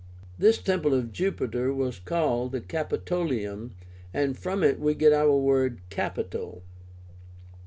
This temple to Jupiter was called the CAPITOLIUM, and from it we get our word CAPITOL.